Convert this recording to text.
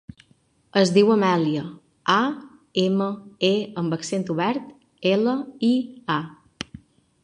Es diu Amèlia: a, ema, e amb accent obert, ela, i, a.